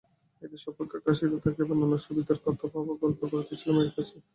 এদেশ অপেক্ষা কাশীতে থাকিবার নানা সুবিধার কথা বাবা গল্প করিতেছিল মায়ের কাছে।